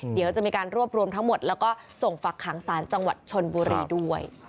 เดี๋ยวจะมีการรวบรวมทั้งหมดแล้วก็ส่งฝักขังสารจังหวัดชนบุรีด้วย